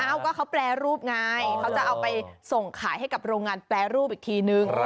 เขาก็เขาแปรรูปไงเขาจะเอาไปส่งขายให้กับโรงงานแปรรูปอีกทีนึง